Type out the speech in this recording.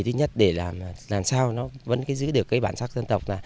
thứ nhất để làm sao nó vẫn giữ được bản sắc dân tộc